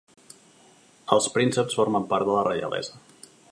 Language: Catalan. Els prínceps formen part de la reialesa.